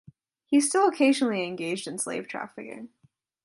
He still occasionally engaged in slave trafficking.